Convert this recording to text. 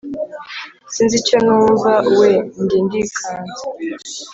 Sinzi icyo numva we, njye ndikanze